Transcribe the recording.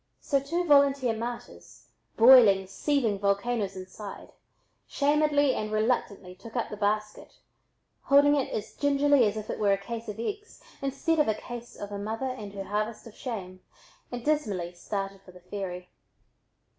So two volunteer martyrs, boiling, seething volcanoes inside, shamedly and reluctantly took up the basket, holding it as gingerly as if it were a case of eggs instead of a case of a mother and her harvest of shame, and dismally started for the ferry.